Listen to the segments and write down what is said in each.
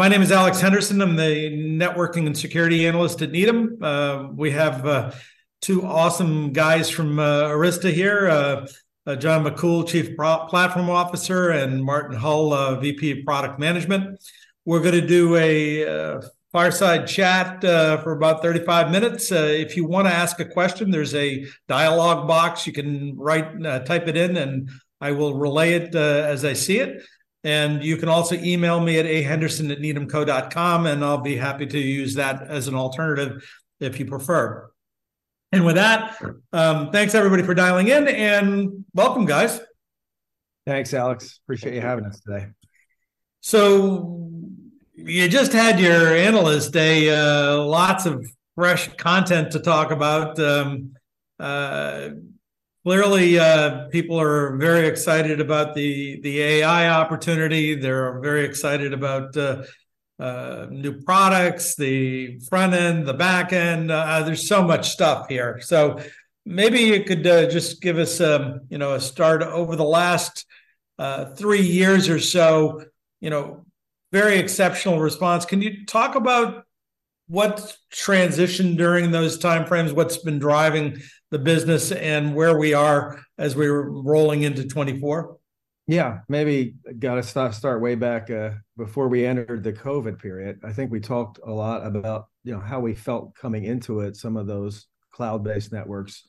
My name is Alex Henderson. I'm the networking and security analyst at Needham. We have two awesome guys from Arista here, John McCool, Chief Platform Officer, and Martin Hull, VP of Product Management. We're gonna do a fireside chat for about 35 minutes. If you wanna ask a question, there's a dialogue box. You can write, type it in, and I will relay it as I see it. And you can also email me at ahenderson@needhamco.com, and I'll be happy to use that as an alternative if you prefer. And with that, thanks everybody for dialing in, and welcome, guys. Thanks, Alex, appreciate you having us today. So you just had your Analyst Day, lots of fresh content to talk about. Clearly, people are very excited about the, the AI opportunity. They're very excited about, new products, the front end, the back end. There's so much stuff here. So maybe you could, just give us, you know, a start. Over the last, three years or so, you know, very exceptional response. Can you talk about what's transitioned during those time frames, what's been driving the business, and where we are as we're rolling into 2024? Yeah, maybe gotta start way back before we entered the COVID period. I think we talked a lot about, you know, how we felt coming into it, some of those cloud-based networks.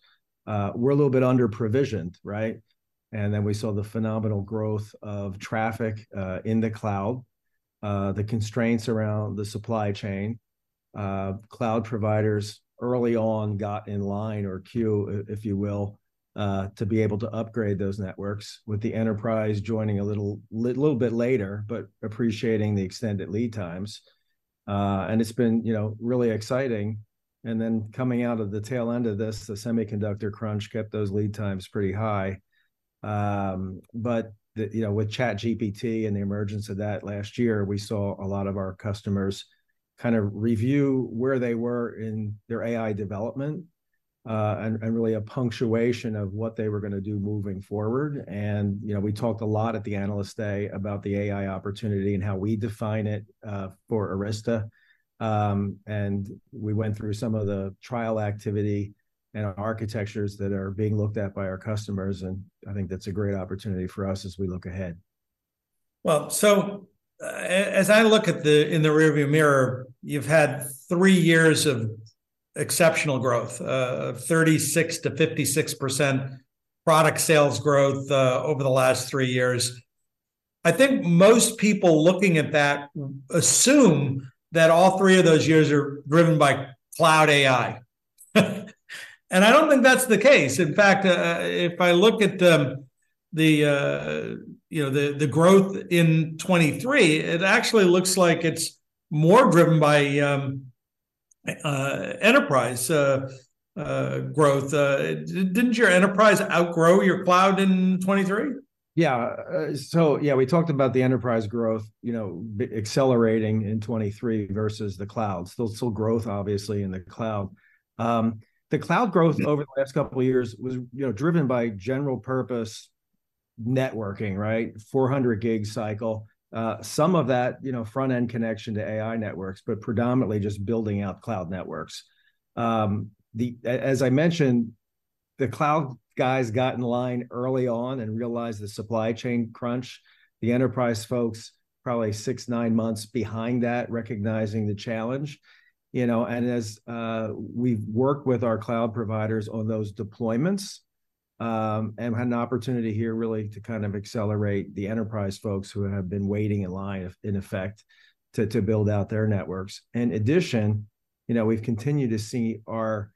We're a little bit under-provisioned, right? And then we saw the phenomenal growth of traffic in the cloud, the constraints around the supply chain. Cloud providers early on got in line or queue, if you will, to be able to upgrade those networks, with the enterprise joining a little bit later, but appreciating the extended lead times. And it's been, you know, really exciting. And then coming out of the tail end of this, the semiconductor crunch kept those lead times pretty high. But, you know, with ChatGPT and the emergence of that last year, we saw a lot of our customers kind of review where they were in their AI development, and really a punctuation of what they were gonna do moving forward. And, you know, we talked a lot at the Analyst Day about the AI opportunity and how we define it for Arista. And we went through some of the trial activity and architectures that are being looked at by our customers, and I think that's a great opportunity for us as we look ahead. Well, as I look in the rearview mirror, you've had three years of exceptional growth of 36%-56% product sales growth over the last three years. I think most people looking at that assume that all three of those years are driven by cloud AI, and I don't think that's the case. In fact, if I look at the growth in 2023, it actually looks like it's more driven by enterprise growth. Didn't your enterprise outgrow your cloud in 2023? Yeah. So yeah, we talked about the enterprise growth, you know, accelerating in 2023 versus the cloud. Still, still growth, obviously, in the cloud. The cloud growth over the last couple of years was, you know, driven by general purpose networking, right? 400 gig cycle. Some of that, you know, front-end connection to AI networks, but predominantly just building out cloud networks. As I mentioned, the cloud guys got in line early on and realized the supply chain crunch. The enterprise folks, probably six, nine months behind that, recognizing the challenge, you know. And as we've worked with our cloud providers on those deployments, and had an opportunity here really to kind of accelerate the enterprise folks who have been waiting in line, in effect, to build out their networks. In addition, you know, we've continued to see our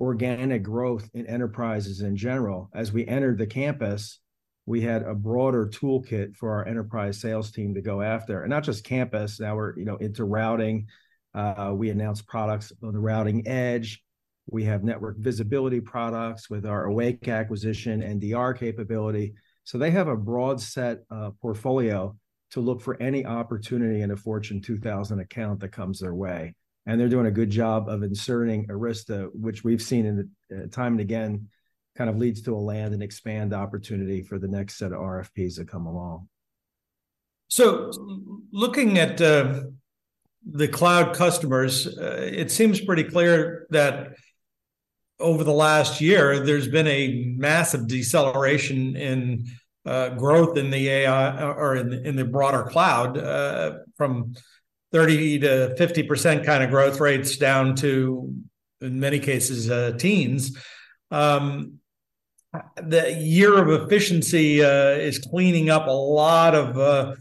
organic growth in enterprises in general. As we entered the campus, we had a broader toolkit for our enterprise sales team to go after. And not just campus, now we're, you know, into routing. We announced products on the routing edge. We have network visibility products with our Awake acquisition and DR capability. So they have a broad set of portfolio to look for any opportunity in a Fortune 2000 account that comes their way, and they're doing a good job of inserting Arista, which we've seen in, uh, time and again, kind of leads to a land-and-expand opportunity for the next set of RFPs that come along. So looking at the cloud customers, it seems pretty clear that over the last year, there's been a massive deceleration in growth in the AI or, or in the, in the broader cloud, from 30%-50% kind of growth rates down to, in many cases, teens. The year of efficiency is cleaning up a lot of,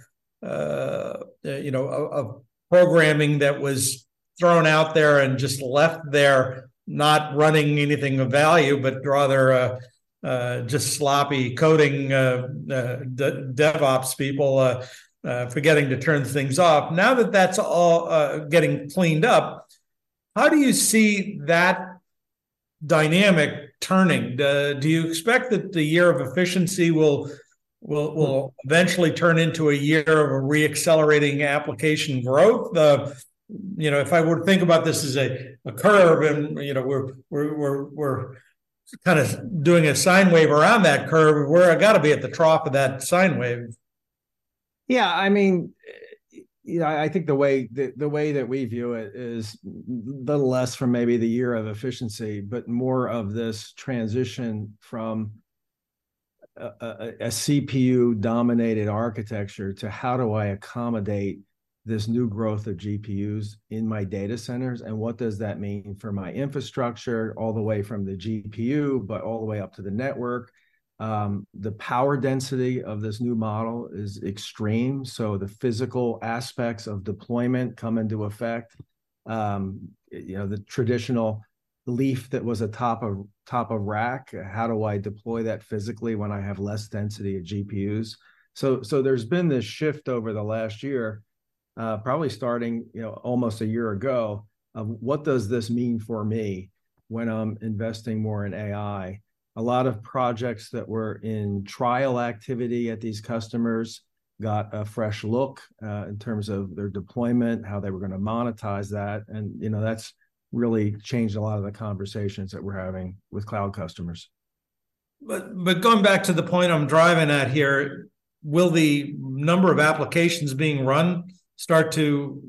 you know, of, of programming that was thrown out there and just left there, not running anything of value, but rather, just sloppy coding, the DevOps people, forgetting to turn things off. Now that that's all getting cleaned up, how do you see that dynamic turning? Do you expect that the year of efficiency will, eventually turn into a year of re-accelerating application growth? You know, if I were to think about this as a curve and, you know, we're kind of doing a sine wave around that curve, where I gotta be at the trough of that sine wave. Yeah, I mean, you know, I think the way that we view it is less from maybe the year of efficiency, but more of this transition from a CPU-dominated architecture to, "How do I accommodate this new growth of GPUs in my data centers, and what does that mean for my infrastructure, all the way from the GPU, but all the way up to the network?" The power density of this new model is extreme, so the physical aspects of deployment come into effect. You know, the traditional leaf that was a top of rack, how do I deploy that physically when I have less density of GPUs? So, there's been this shift over the last year, probably starting, you know, almost a year ago, of, "What does this mean for me when I'm investing more in AI?" A lot of projects that were in trial activity at these customers got a fresh look, in terms of their deployment, how they were gonna monetize that, and, you know, that's really changed a lot of the conversations that we're having with cloud customers. But going back to the point I'm driving at here, will the number of applications being run start to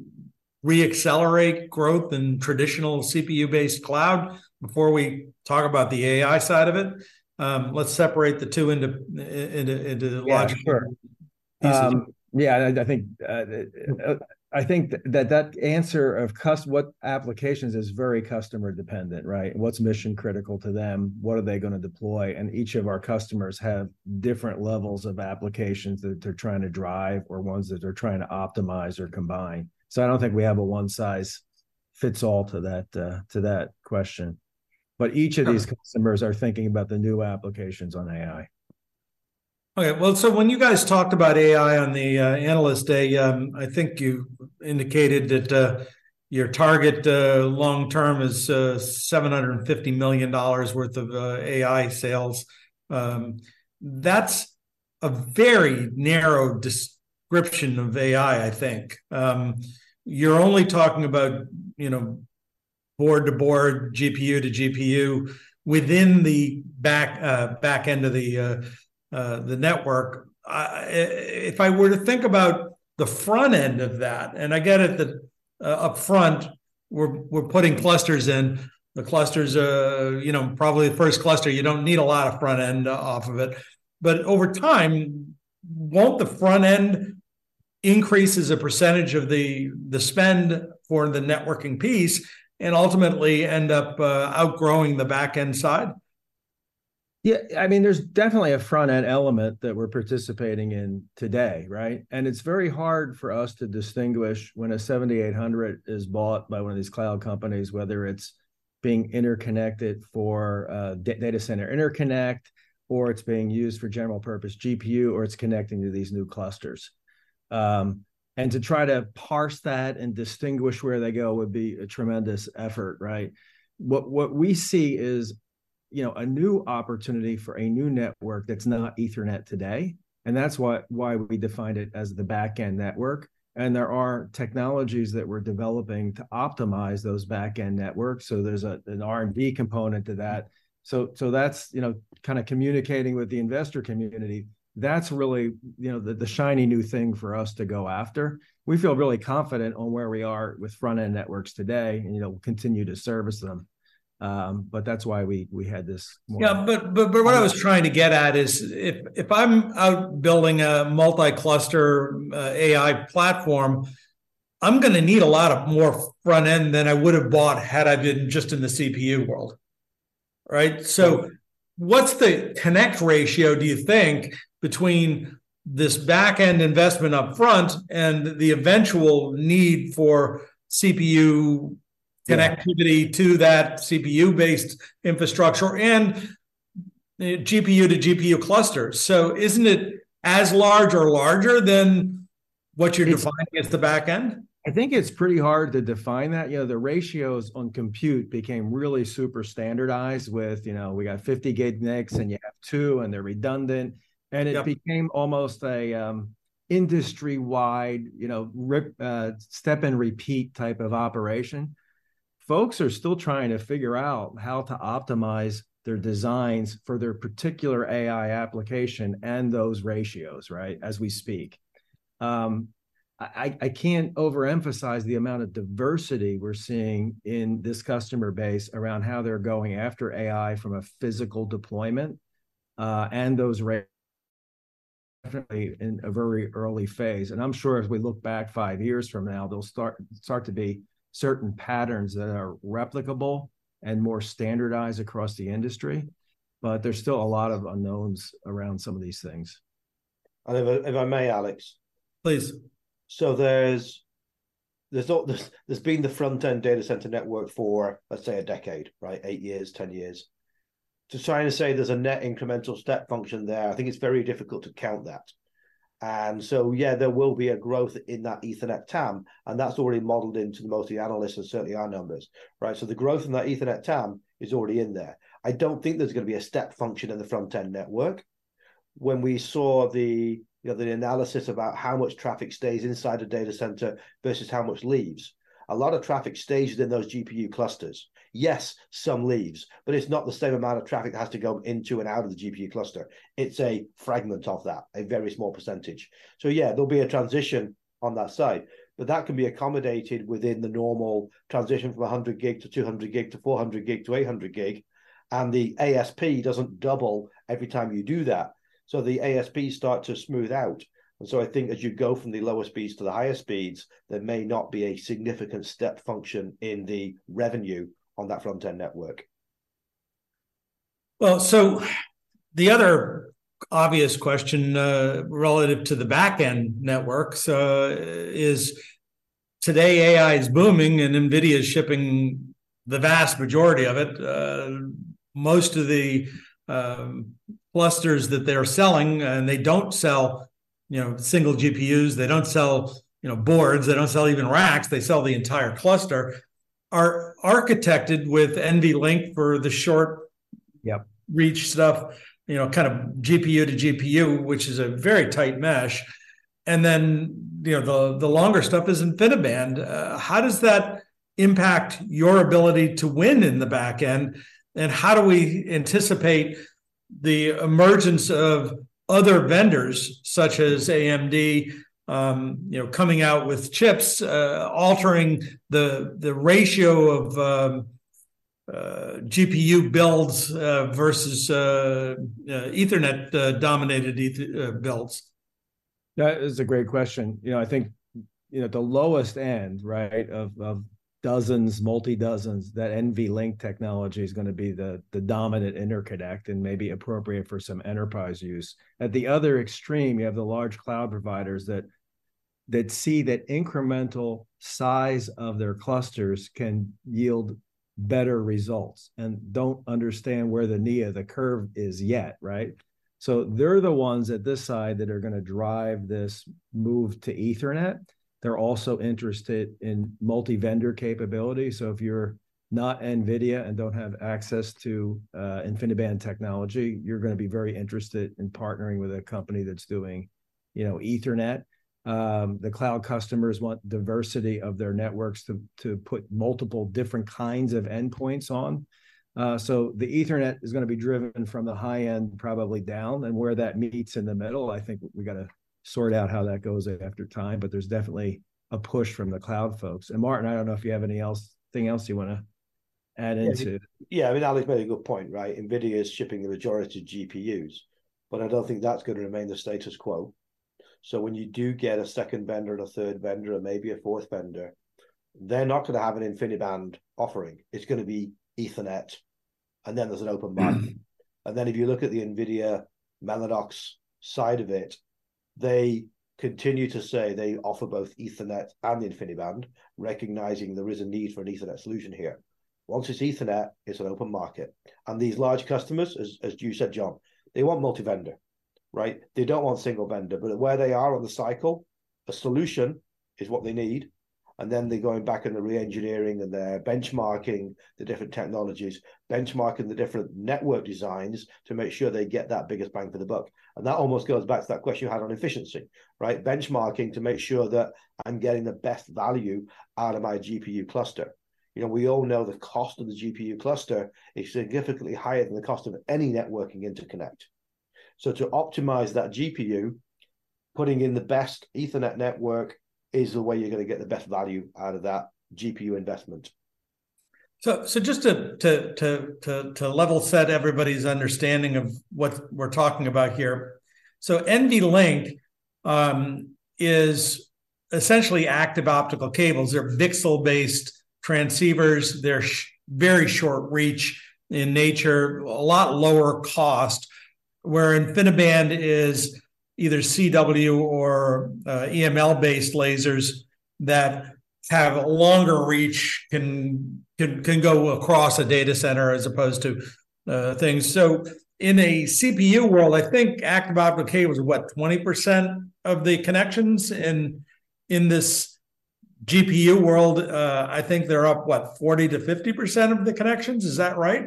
re-accelerate growth in traditional CPU-based cloud? Before we talk about the AI side of it, let's separate the two into logical Yeah, sure pieces. Yeah, and I think that answer of what applications is very customer-dependent, right? What's mission-critical to them? What are they gonna deploy? And each of our customers have different levels of applications that they're trying to drive or ones that they're trying to optimize or combine. So I don't think we have a one-size-fits-all to that, to that question. Sure. Each of these customers are thinking about the new applications on AI. Okay, well, so when you guys talked about AI on the analyst day, I think you indicated that your target long term is $750 million worth of AI sales. That's a very narrow description of AI, I think. You're only talking about, you know, board-to-board, GPU-to-GPU, within the back end of the network. If I were to think about the front end of that, and I get it that up front, we're putting clusters in. The clusters are, you know, probably the first cluster, you don't need a lot of front end off of it. But over time, won't the front end increase as a percentage of the spend for the networking piece and ultimately end up outgrowing the back end side? Yeah, I mean, there's definitely a front-end element that we're participating in today, right? And it's very hard for us to distinguish when a 7800 is bought by one of these cloud companies, whether it's being interconnected for data center interconnect, or it's being used for general purpose GPU, or it's connecting to these new clusters. And to try to parse that and distinguish where they go would be a tremendous effort, right? What we see is, you know, a new opportunity for a new network that's not Ethernet today, and that's why we defined it as the back-end network. And there are technologies that we're developing to optimize those back-end networks, so there's an R&D component to that. So that's, you know, kind of communicating with the investor community. That's really, you know, the shiny new thing for us to go after. We feel really confident on where we are with front-end networks today, and, you know, we'll continue to service them. But that's why we had this more Yeah, but what I was trying to get at is, if I'm out building a multi-cluster AI platform, I'm gonna need a lot of more front end than I would have bought had I been just in the CPU world, right? Right. So what's the connect ratio, do you think, between this back-end investment up front and the eventual need for CPU connectivity? Yeah to that CPU-based infrastructure and GPU-to-GPU clusters? So isn't it as large or larger than what you're defining- It's as the back end? I think it's pretty hard to define that. You know, the ratios on compute became really super standardized with, you know, we got 50 Gig NICs, and you have two, and they're redundant. Yep. And it became almost a industry-wide, you know, step-and-repeat type of operation. Folks are still trying to figure out how to optimize their designs for their particular AI application and those ratios, right, as we speak. I can't overemphasize the amount of diversity we're seeing in this customer base around how they're going after AI from a physical deployment and those definitely in a very early phase. And I'm sure as we look back five years from now, there'll start to be certain patterns that are replicable and more standardized across the industry, but there's still a lot of unknowns around some of these things. If I may, Alex? Please. So there's not, There's been the front-end data center network for, let's say, a decade, right? eight years, 10 years. To try to say there's a net incremental step function there, I think it's very difficult to count that. And so, yeah, there will be a growth in that Ethernet TAM, and that's already modeled into most of the analysts and certainly our numbers, right? So the growth in that Ethernet TAM is already in there. I don't think there's gonna be a step function in the front-end network, when we saw the, you know, the analysis about how much traffic stays inside a data center versus how much leaves, a lot of traffic stays in those GPU clusters. Yes, some leaves, but it's not the same amount of traffic that has to go into and out of the GPU cluster. It's a fragment of that, a very small percentage. So, yeah, there'll be a transition on that side, but that can be accommodated within the normal transition from 100 gig to 200 gig to 400 gig to 800 gig, and the ASP doesn't double every time you do that, so the ASPs start to smooth out. And so I think as you go from the lowest speeds to the highest speeds, there may not be a significant step function in the revenue on that front-end network. Well, so, the other obvious question, relative to the back-end network, so, is today, AI is booming, and NVIDIA is shipping the vast majority of it. Most of the clusters that they're selling, and they don't sell, you know, single GPUs, they don't sell, you know, boards, they don't sell even racks, they sell the entire cluster, are architected with NVLink for the short Yep reach stuff, you know, kind of GPU to GPU, which is a very tight mesh, and then, you know, the longer stuff is InfiniBand. How does that impact your ability to win in the back end? And how do we anticipate the emergence of other vendors, such as AMD, you know, coming out with chips, altering the ratio of GPU builds versus Ethernet-dominated builds? That is a great question. You know, I think, you know, at the lowest end, right, of dozens, multi-dozens, that NVLink technology is gonna be the dominant interconnect and maybe appropriate for some enterprise use. At the other extreme, you have the large cloud providers that see that incremental size of their clusters can yield better results and don't understand where the knee of the curve is yet, right? So they're the ones at this side that are gonna drive this move to Ethernet. They're also interested in multi-vendor capability, so if you're not NVIDIA and don't have access to InfiniBand technology, you're gonna be very interested in partnering with a company that's doing, you know, Ethernet. The cloud customers want diversity of their networks to put multiple different kinds of endpoints on. So the Ethernet is gonna be driven from the high end probably down, and where that meets in the middle, I think we've got to sort out how that goes after time, but there's definitely a push from the cloud folks. And Martin, I don't know if you have anything else you wanna add into Yeah, I mean, Alex made a good point, right? NVIDIA is shipping the majority of GPUs, but I don't think that's gonna remain the status quo. So when you do get a second vendor and a third vendor and maybe a fourth vendor, they're not gonna have an InfiniBand offering. It's gonna be Ethernet, and then there's an open market. Mm-hmm. And then if you look at the NVIDIA Mellanox side of it, they continue to say they offer both Ethernet and InfiniBand, recognizing there is a need for an Ethernet solution here. Once it's Ethernet, it's an open market, and these large customers, as you said, John, they want multi-vendor, right? They don't want single vendor, but where they are on the cycle, a solution is what they need, and then they're going back and they're re-engineering and they're benchmarking the different technologies, benchmarking the different network designs to make sure they get that biggest bang for the buck. And that almost goes back to that question you had on efficiency, right? Benchmarking to make sure that I'm getting the best value out of my GPU cluster. You know, we all know the cost of the GPU cluster is significantly higher than the cost of any networking interconnect. So to optimize that GPU, putting in the best Ethernet network is the way you're gonna get the best value out of that GPU investment. So just to level set everybody's understanding of what we're talking about here, so NVLink is essentially active optical cables. They're VCSEL-based transceivers. They're very short reach in nature, a lot lower cost. Where InfiniBand is either CW or EML-based lasers that have longer reach, can go across a data center as opposed to things. So in a CPU world, I think active optical cable was, what, 20% of the connections? In this GPU world, I think they're up, what, 40%-50% of the connections, is that right?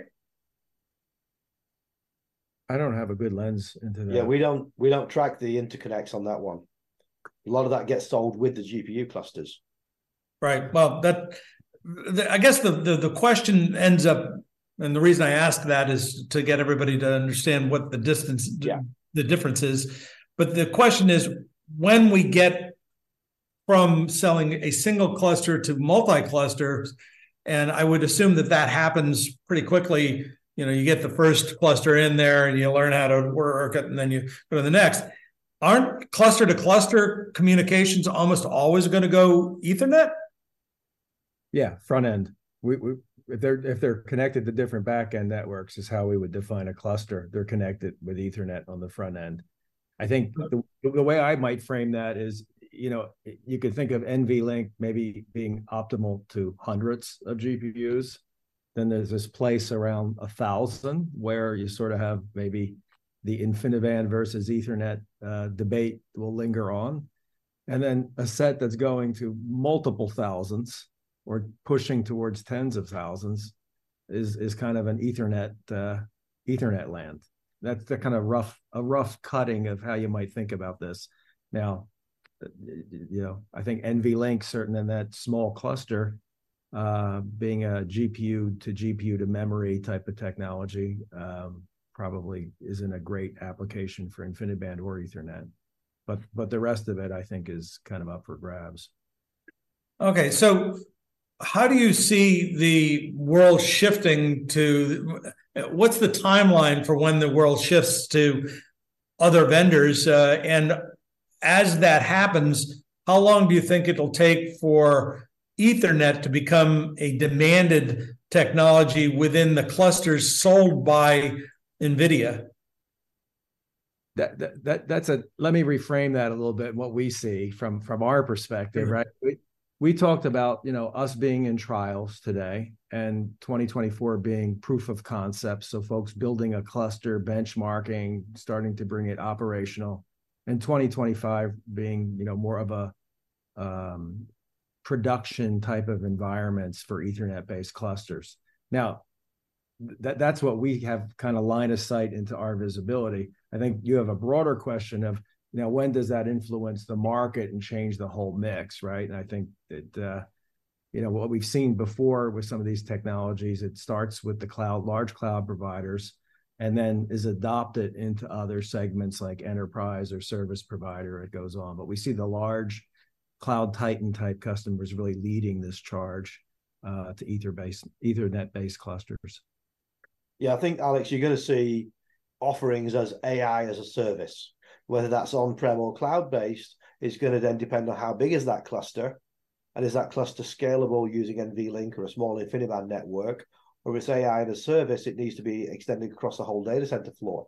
I don't have a good lens into that. Yeah, we don't, we don't track the interconnects on that one. A lot of that gets sold with the GPU clusters. Right. Well, that I guess the question ends up, and the reason I ask that is to get everybody to understand what the distance Yeah the difference is, but the question is, when we get from selling a single cluster to multi-clusters, and I would assume that that happens pretty quickly. You know, you get the first cluster in there, and you learn how to work it, and then you go to the next. Aren't cluster-to-cluster communications almost always gonna go Ethernet? Yeah, front end. We if they're, if they're connected to different back-end networks, is how we would define a cluster. They're connected with Ethernet on the front end. I think the way I might frame that is, you know, you could think of NVLink maybe being optimal to hundreds of GPUs. Then there's this place around 1,000, where you sort of have maybe the InfiniBand versus Ethernet debate will linger on, and then a set that's going to multiple thousands or pushing towards tens of thousands is kind of an Ethernet Ethernet LAN. That's the kind of rough, a rough cutting of how you might think about this. Now, you know, I think NVLink, certain in that small cluster, being a GPU-to-GPU-to-memory type of technology, probably isn't a great application for InfiniBand or Ethernet, but the rest of it, I think, is kind of up for grabs. Okay, so how do you see the world shifting to. What's the timeline for when the world shifts to other vendors? And as that happens, how long do you think it'll take for Ethernet to become a demanded technology within the clusters sold by NVIDIA? That's. Let me reframe that a little bit, what we see from our perspective, right? Mm-hmm. We, we talked about, you know, us being in trials today, and 2024 being proof of concept, so folks building a cluster, benchmarking, starting to bring it operational, and 2025 being, you know, more of a, production type of environments for Ethernet-based clusters. Now, that, that's what we have kind of line of sight into our visibility. I think you have a broader question of, you know, when does that influence the market and change the whole mix, right? And I think that, you know, what we've seen before with some of these technologies, it starts with the cloud, large cloud providers, and then is adopted into other segments, like enterprise or service provider. It goes on. But we see the large cloud titan-type customers really leading this charge, to Ether-based, Ethernet-based clusters. Yeah, I think, Alex, you're going to see offerings as AI as a service, whether that's on-prem or cloud-based, is going to then depend on how big is that cluster, and is that cluster scalable using NVLink or a small InfiniBand network? Or with AI as a service, it needs to be extended across a whole data center floor.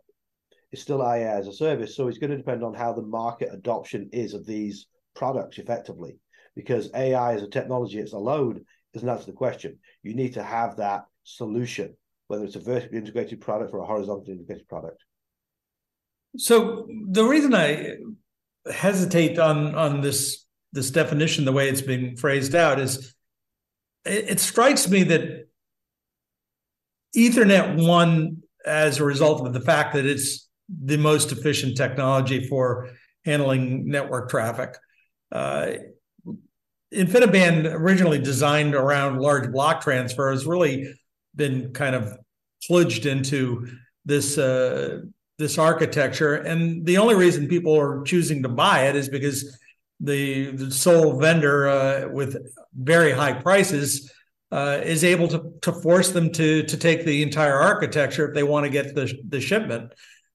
It's still AI as a service, so it's going to depend on how the market adoption is of these products effectively. Because AI as a technology, it's a load, doesn't answer the question. You need to have that solution, whether it's a vertically integrated product or a horizontally integrated product. So the reason I hesitate on this definition, the way it's being phrased, is it strikes me that Ethernet won as a result of the fact that it's the most efficient technology for handling network traffic. InfiniBand, originally designed around large block transfer, has really been kind of nudged into this architecture, and the only reason people are choosing to buy it is because the sole vendor with very high prices is able to force them to take the entire architecture if they want to get the shipment.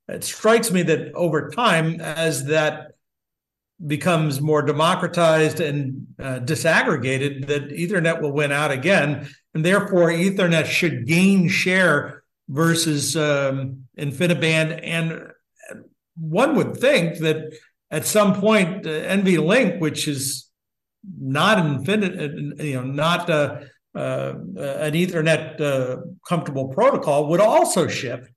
It strikes me that over time, as that becomes more democratized and disaggregated, that Ethernet will win out again, and therefore, Ethernet should gain share versus InfiniBand. One would think that at some point, NVLink, which is not InfiniBand, you know, not an Ethernet comfortable protocol, would also shift.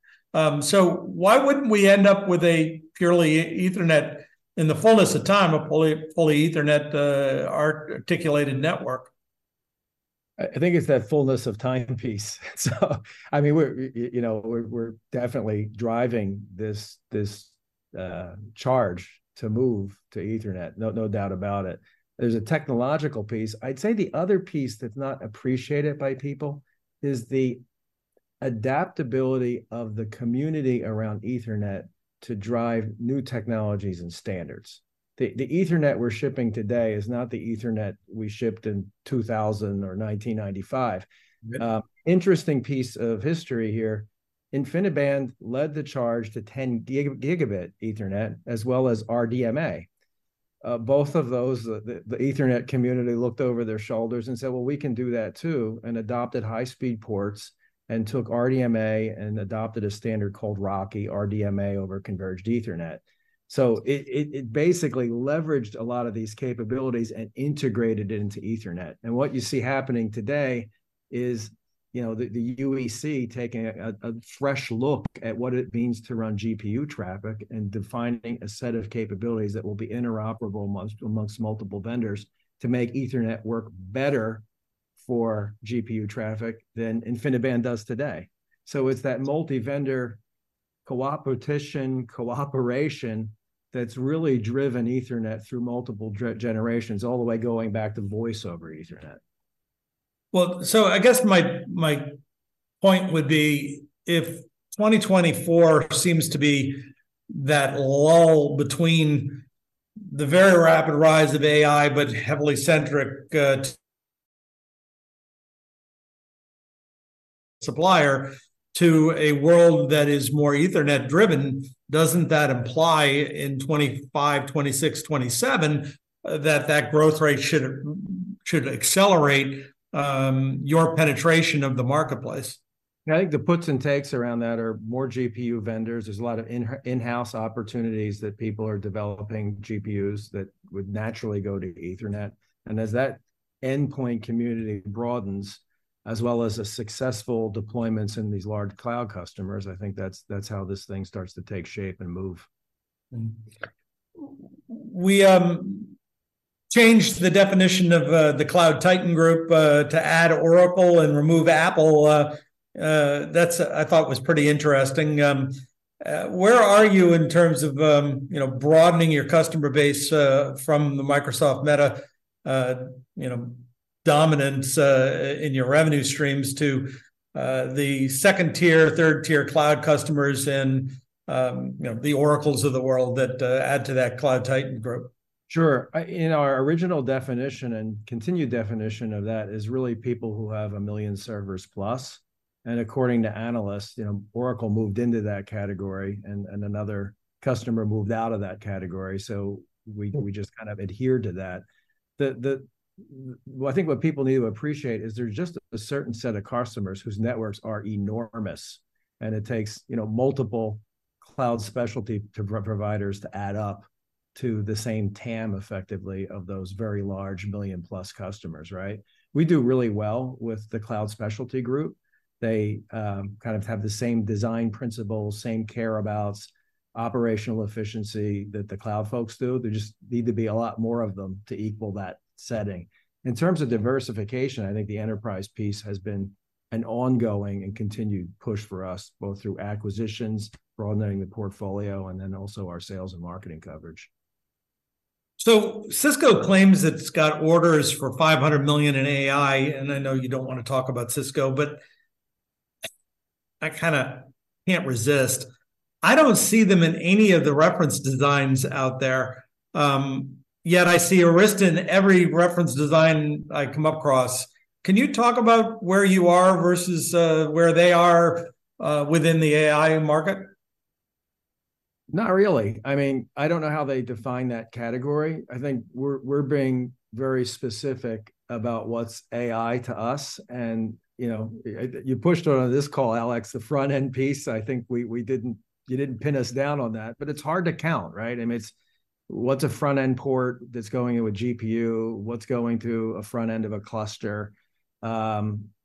So why wouldn't we end up with a purely Ethernet, in the fullness of time, a fully, fully Ethernet articulated network? I think it's that fullness of time piece. So I mean, you know, we're definitely driving this charge to move to Ethernet, no doubt about it. There's a technological piece. I'd say the other piece that's not appreciated by people is the adaptability of the community around Ethernet to drive new technologies and standards. The Ethernet we're shipping today is not the Ethernet we shipped in 2000 or 1995. Mm-hmm. Interesting piece of history here: InfiniBand led the charge to 10 Gb Ethernet, as well as RDMA. Both of those, the Ethernet community looked over their shoulders and said, "Well, we can do that too," and adopted high-speed ports and took RDMA and adopted a standard called RoCE, RDMA over Converged Ethernet. So it basically leveraged a lot of these capabilities and integrated it into Ethernet. And what you see happening today is, you know, the UEC taking a fresh look at what it means to run GPU traffic and defining a set of capabilities that will be interoperable amongst multiple vendors to make Ethernet work better for GPU traffic than InfiniBand does today. So it's that multi-vendor coopetition, cooperation that's really driven Ethernet through multiple generations, all the way going back to voice over Ethernet. Well, so I guess my point would be, if 2024 seems to be that lull between the very rapid rise of AI, but heavily centric supplier, to a world that is more Ethernet-driven, doesn't that imply in 2025, 2026, 2027, that growth rate should accelerate your penetration of the marketplace? I think the puts and takes around that are more GPU vendors. There's a lot of in-house opportunities that people are developing GPUs that would naturally go to Ethernet. And as that endpoint community broadens, as well as the successful deployments in these large cloud customers, I think that's, that's how this thing starts to take shape and move. We changed the definition of the Cloud Titan group to add Oracle and remove Apple. That's, I thought, was pretty interesting. Where are you in terms of, you know, broadening your customer base from the Microsoft Meta, you know, dominance in your revenue streams to the second-tier, third-tier cloud customers and, you know, the Oracles of the world that add to that Cloud Titan group? Sure. In our original definition and continued definition of that is really people who have 1 million servers plus, and according to analysts, you know, Oracle moved into that category, and another customer moved out of that category, so we Mm we just kind of adhered to that. I think what people need to appreciate is there's just a certain set of customers whose networks are enormous, and it takes, you know, multiple cloud specialty providers to add up to the same TAM, effectively, of those very large million-plus customers, right? We do really well with the cloud specialty group. They kind of have the same design principles, same care about, operational efficiency that the cloud folks do. There just need to be a lot more of them to equal that setting. In terms of diversification, I think the enterprise piece has been an ongoing and continued push for us, both through acquisitions, broadening the portfolio, and then also our sales and marketing coverage. So Cisco claims it's got orders for $500 million in AI, and I know you don't want to talk about Cisco, but I kind of can't resist. I don't see them in any of the reference designs out there, yet I see Arista in every reference design I come across. Can you talk about where you are versus where they are within the AI market? Not really. I mean, I don't know how they define that category. I think we're being very specific about what's AI to us, and, you know, you pushed on this call, Alex, the front-end piece. I think we didn't, You didn't pin us down on that, but it's hard to count, right? I mean, it's what's a front-end port that's going in with GPU, what's going to a front end of a cluster?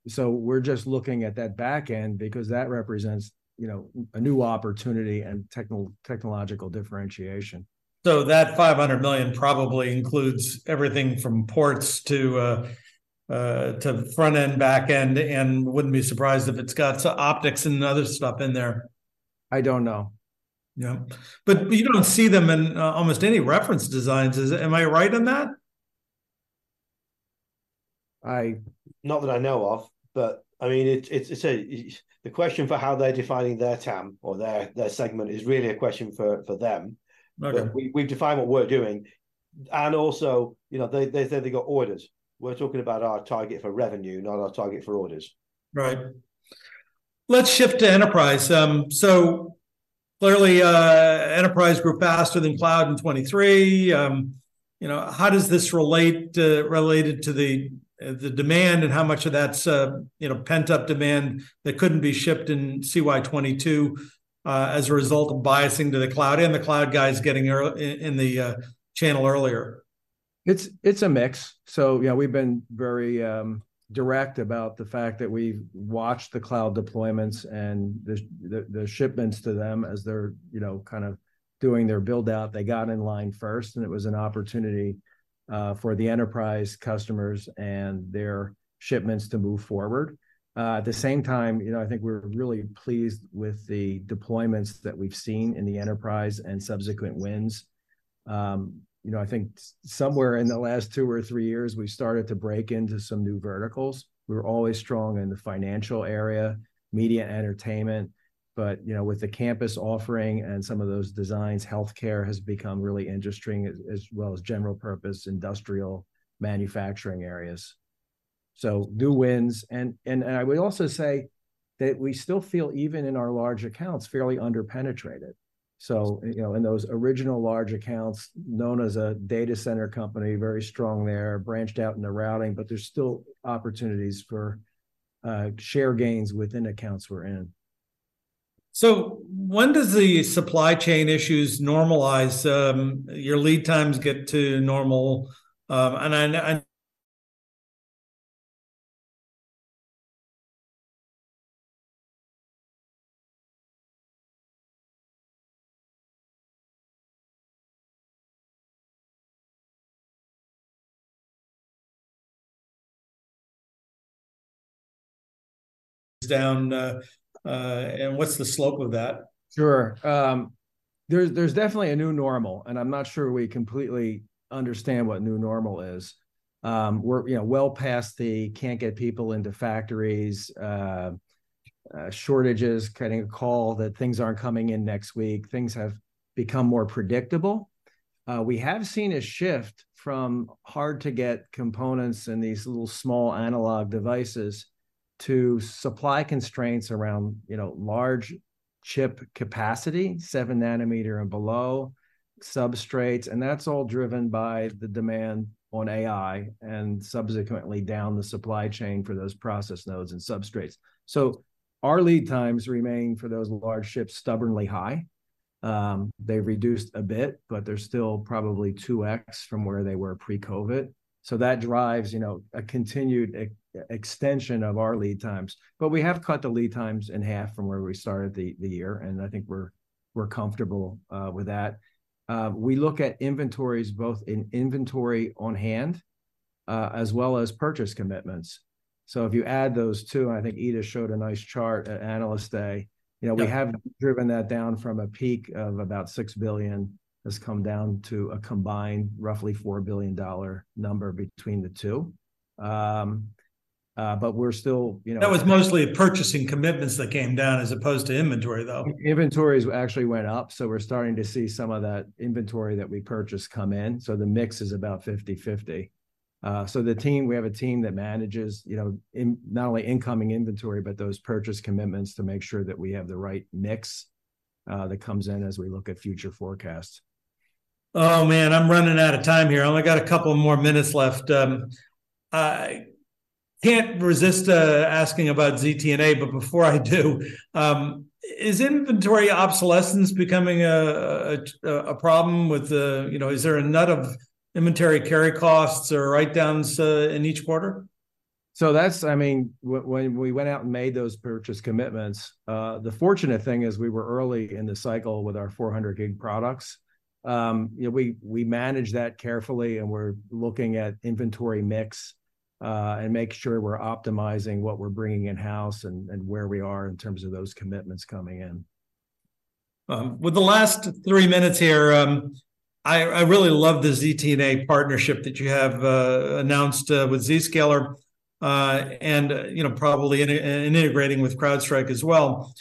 So we're just looking at that back end because that represents, you know, a new opportunity and technological differentiation. So that $500 million probably includes everything from ports to front end, back end, and wouldn't be surprised if it's got some optics and other stuff in there. I don't know. Yeah, but you don't see them in almost any reference designs. Am I right on that? I Not that I know of, but, I mean, it's a question for how they're defining their TAM or their segment is really a question for them. Okay. But we, we've defined what we're doing. And also, you know, they, they say they got orders. We're talking about our target for revenue, not our target for orders. Right. Let's shift to enterprise. So clearly, enterprise grew faster than cloud in 2023. You know, how does this relate to the demand, and how much of that's you know, pent-up demand that couldn't be shipped in CY 2022, as a result of biasing to the cloud and the cloud guys getting early in the channel earlier? It's a mix. So yeah, we've been very direct about the fact that we've watched the cloud deployments and the shipments to them as they're, you know, kind of doing their build-out. They got in line first, and it was an opportunity for the enterprise customers and their shipments to move forward. At the same time, you know, I think we're really pleased with the deployments that we've seen in the enterprise and subsequent wins. You know, I think somewhere in the last two or three years, we've started to break into some new verticals. We're always strong in the financial area, media, entertainment, but, you know, with the campus offering and some of those designs, healthcare has become really interesting, as well as general purpose industrial manufacturing areas. So new wins, and I would also say that we still feel, even in our large accounts, fairly under-penetrated. So, you know, in those original large accounts known as a data center company, very strong there, branched out in the routing, but there's still opportunities for share gains within accounts we're in. So when does the supply chain issues normalize, your lead times get to normal? And what's the slope of that? Sure. There's definitely a new normal, and I'm not sure we completely understand what new normal is. We're, you know, well past the can't get people into factories, shortages, getting a call that things aren't coming in next week. Things have become more predictable. We have seen a shift from hard-to-get components and these little small analog devices to supply constraints around, you know, large chip capacity, 7 nm and below, substrates, and that's all driven by the demand on AI and subsequently down the supply chain for those process nodes and substrates. So our lead times remain, for those large chips, stubbornly high. They've reduced a bit, but they're still probably 2x from where they were pre-COVID. So that drives, you know, a continued extension of our lead times. But we have cut the lead times in half from where we started the year, and I think we're comfortable with that. We look at inventories, both in inventory on hand as well as purchase commitments. So if you add those two, and I think Ita showed a nice chart at Analyst Day Yeah. You know, we have driven that down from a peak of about $6 billion, has come down to a combined roughly $4 billion number between the two. But we're still, you know That was mostly purchasing commitments that came down, as opposed to inventory, though. Inventories actually went up, so we're starting to see some of that inventory that we purchased come in, so the mix is about 50/50. So the team, we have a team that manages, you know, not only incoming inventory, but those purchase commitments to make sure that we have the right mix that comes in as we look at future forecasts. Oh, man, I'm running out of time here. I've only got a couple more minutes left. I can't resist asking about ZTNA, but before I do, is inventory obsolescence becoming a problem with, You know, is there a nut of inventory carry costs or write-downs in each quarter? So that's, I mean, when we went out and made those purchase commitments, the fortunate thing is we were early in the cycle with our 400 gig products. You know, we managed that carefully, and we're looking at inventory mix, and making sure we're optimizing what we're bringing in-house and where we are in terms of those commitments coming in. With the last three minutes here, I really love the ZTNA partnership that you have announced with Zscaler, and you know, probably integrating with CrowdStrike as well.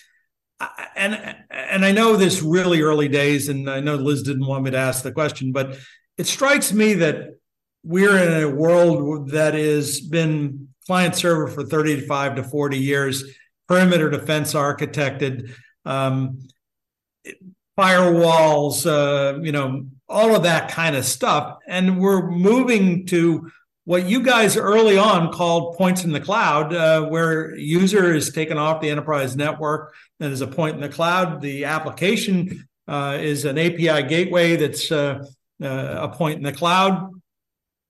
And I know this is really early days, and I know Liz didn't want me to ask the question, but it strikes me that we're in a world that has been client server for 35-40 years, perimeter defense architected, firewalls, you know, all of that kind of stuff, and we're moving to what you guys early on called points in the cloud, where user is taken off the enterprise network and is a point in the cloud. The application is an API gateway that's a point in the cloud,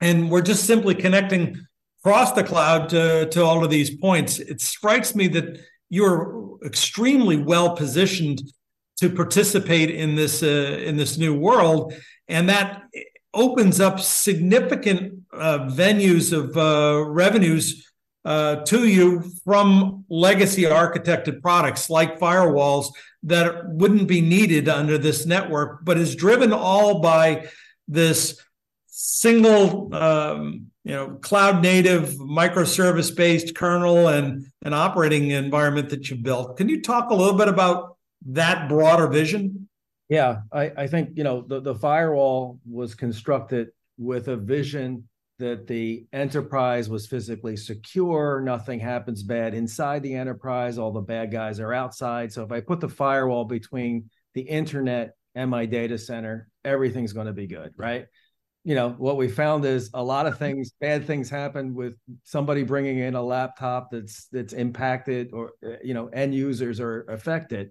and we're just simply connecting across the cloud to all of these points. It strikes me that you're extremely well-positioned to participate in this, in this new world, and that opens up significant venues of revenues to you from legacy architected products, like firewalls, that wouldn't be needed under this network, but is driven all by this single, you know, cloud-native, microservice-based kernel and operating environment that you've built. Can you talk a little bit about that broader vision? Yeah, I think, you know, the firewall was constructed with a vision that the enterprise was physically secure. Nothing happens bad inside the enterprise. All the bad guys are outside, so if I put the firewall between the internet and my data center, everything's gonna be good, right? You know, what we found is a lot of things, bad things, happen with somebody bringing in a laptop that's impacted or, you know, end users are affected.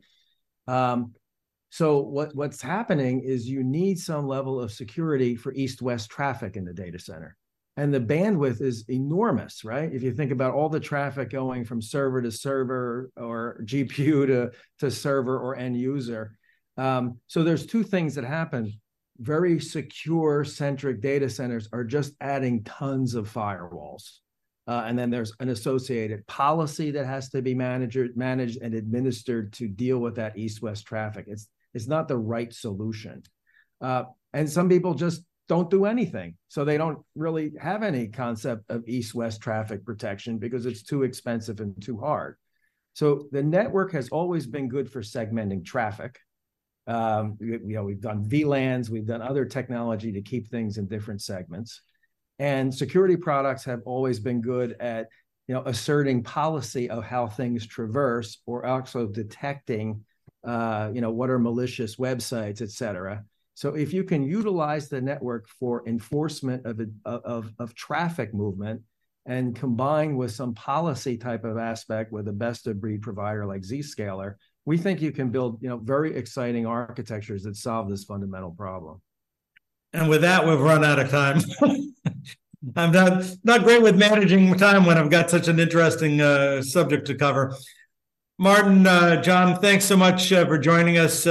So what's happening is you need some level of security for east-west traffic in the data center, and the bandwidth is enormous, right? If you think about all the traffic going from server to server or GPU to server or end user. So there's two things that happen. Very secure-centric data centers are just adding tons of firewalls, and then there's an associated policy that has to be managed and administered to deal with that east-west traffic. It's not the right solution. And some people just don't do anything, so they don't really have any concept of east-west traffic protection because it's too expensive and too hard. So the network has always been good for segmenting traffic. You know, we've done VLANs, we've done other technology to keep things in different segments, and security products have always been good at, you know, asserting policy of how things traverse or also detecting, you know, what are malicious websites, et cetera. If you can utilize the network for enforcement of a traffic movement, and combine with some policy type of aspect with a best-of-breed provider like Zscaler, we think you can build, you know, very exciting architectures that solve this fundamental problem. With that, we've run out of time. I'm not, not great with managing time when I've got such an interesting subject to cover. Martin, John, thanks so much for joining us.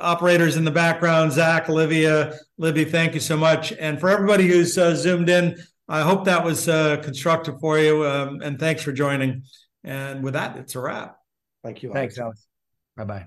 Operators in the background, Zach, Olivia, Libby, thank you so much. For everybody who's Zoomed in, I hope that was constructive for you, and thanks for joining. With that, it's a wrap. Thank you, Alex. Thanks, Alex. Bye-bye.